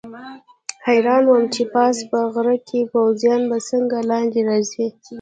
حیران وم چې پاس په غره کې پوځیان به څنګه لاندې راځي.